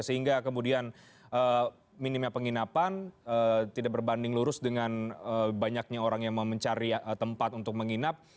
sehingga kemudian minimnya penginapan tidak berbanding lurus dengan banyaknya orang yang mau mencari tempat untuk menginap